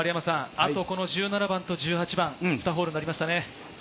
１７番、１８番、２ホールになりましたね。